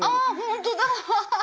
本当だ！